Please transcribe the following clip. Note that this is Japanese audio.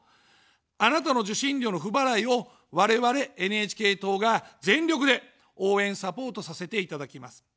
あなたの受信料の不払いを我々ＮＨＫ党が全力で応援・サポートさせていただきます。